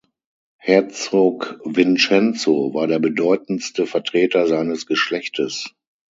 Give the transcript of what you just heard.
Herzog Vincenzo war der bedeutendste Vertreter seines Geschlechtes.